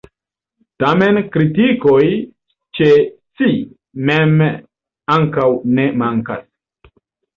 Tamen kritikoj ĉe si mem ankaŭ ne mankas.